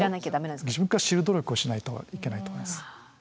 自分から知る努力をしないといけないと思います。